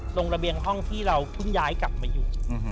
ตรงระเบียงห้องที่เราคุ้นย้ายกลับมาอยู่